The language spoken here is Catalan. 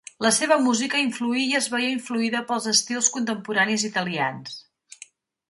La seva música influí i es veié influïda pels estils contemporanis italians.